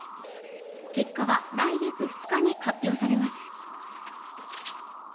結果は来月２日に発表されます。